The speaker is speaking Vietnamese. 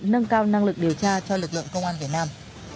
nâng cao năng lực điều tra cho lực lượng công an việt nam